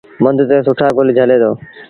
مند تي سُٺآ گل جھلي دو۔